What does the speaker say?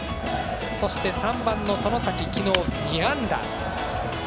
そして、３番の外崎昨日２安打。